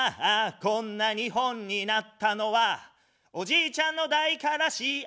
こんな日本になったのは、おじいちゃんの代からＣＩＡ。